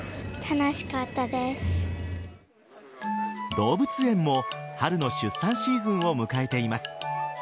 動物園も春の出産シーズンを迎えています。